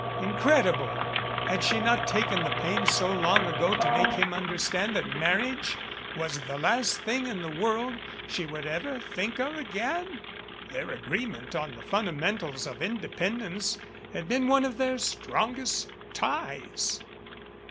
Incredible! Had she not taken the pains so long ago to make him understand that marriage was the last thing in the world she would ever think of again? Their agreement on the funda mentals of independence had been one of their strongest ties.